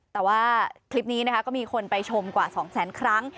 แต่ว่าคลิปนี้นะคะก็มีคนไปชมกว่า๒แสนครั้ง